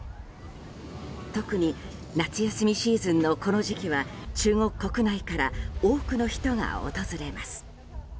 特に夏休みシーズンのこの時期は中国国内から多くの人が訪れます。